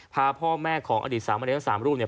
พาพ่อแม่ของอดีตสามประเด็นสามรูปเนี่ย